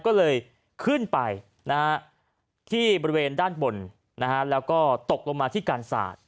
ก็เลยขึ้นไปที่บริเวณด้านบนแล้วก็ตกลงมาที่การศาสตร์